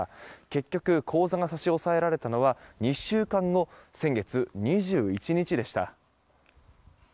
結局口座が差し押さえられたのは２週間後先月２１日でした。